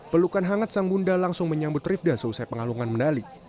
pelukan hangat sang bunda langsung menyambut rifda selesai pengalungan medali